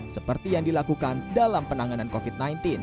seperti yang dilakukan dalam penanganan covid sembilan belas